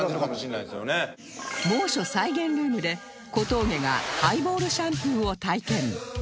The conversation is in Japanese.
猛暑再現ルームで小峠がハイボールシャンプーを体験